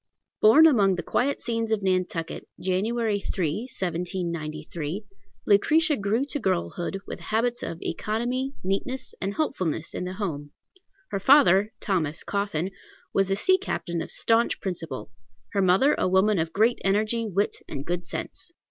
Born among the quiet scenes of Nantucket, Jan. 3, 1793, Lucretia grew to girlhood with habits of economy, neatness, and helpfulness in the home. Her father, Thomas Coffin, was a sea captain of staunch principle; her mother, a woman of great energy, wit, and good sense.